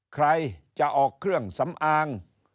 ใครจะออกเครื่องสำอาง